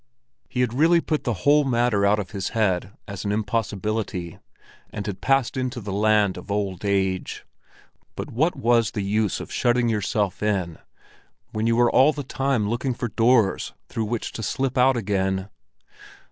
He had really put the whole matter out of his head as an impossibility, and had passed into the land of old age; but what was the use of shutting yourself in, when you were all the time looking for doors through which to slip out again?